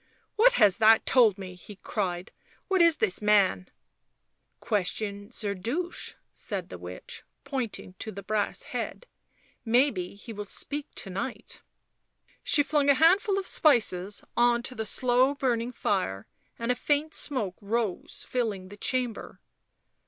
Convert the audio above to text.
<T What has tliat told me?" ho cried. " What is this man ?"" Question Zerdusht," said the witch, pointing to the brass head. " Maybe he will speak to night." She flung a handful of spices on to the slow burning fire, and a faint smoke rose, filling the chamber.